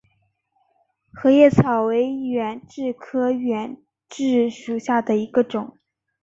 合叶草为远志科远志属下的一个种。